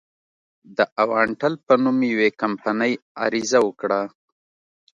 د اوانټل په نوم یوې کمپنۍ عریضه وکړه.